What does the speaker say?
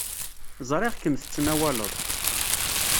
Ẓriɣ-kem tettnawaleḍ.